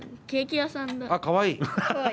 あっ、かわいい。